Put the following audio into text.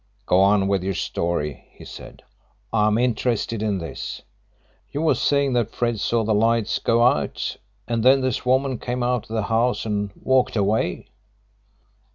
"Go on with your story," he said. "I'm interested in this. You were saying that Fred saw the lights go out, and then this woman came out of the house and walked away."